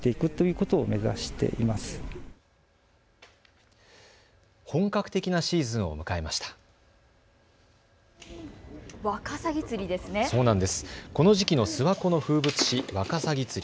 この時期の諏訪湖の風物詩、ワカサギ釣り。